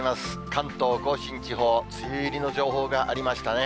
関東甲信地方、梅雨入りの情報がありましたね。